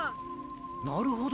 なるほど。